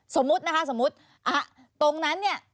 สมมุตินะคะสมมุติตรงนั้นเนี่ย